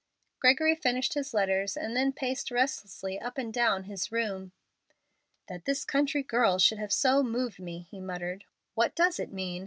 Gregory finished his letters and then paced restlessly up and down his room. "That this country girl should have so moved me!" he muttered. "What does it mean?